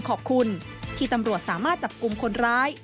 ขอบคุณที่ตำรวจสามารถจับกลุ่มคนร้าย